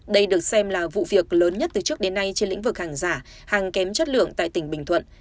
đây được xem là vụ việc lớn nhất từ trước đến nay trên lĩnh vực hàng giả hàng kém chất lượng tại tỉnh bình thuận